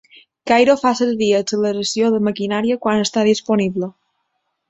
Cairo fa servir acceleració de maquinària quan està disponible.